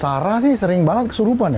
sarah sih sering banget kesurupan ya